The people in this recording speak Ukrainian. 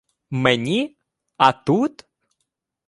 — Мені? А тут?